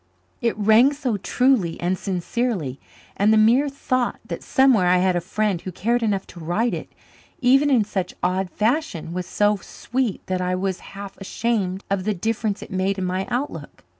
It rang so truly and sincerely, and the mere thought that somewhere I had a friend who cared enough to write it, even in such odd fashion, was so sweet that I was half ashamed of the difference it made in my outlook.